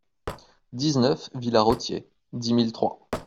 dix-neuf villa Rothier, dix mille Troyes